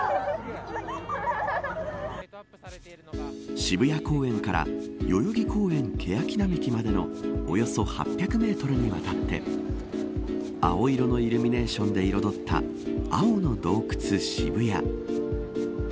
渋谷公園から代々木公園ケヤキ並木までのおよそ８００メートルにわたって青色のイルミネーションで彩った青の洞窟ＳＨＩＢＵＹＡ。